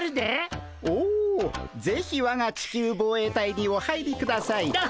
おぜひわが地球防衛隊にお入りください。